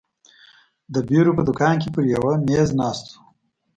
د بیرو په دوکان کې پر یوه مېز ناست وو.